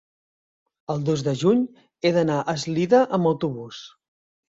El dos de juny he d'anar a Eslida amb autobús.